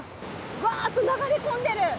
わっと流れ込んでる。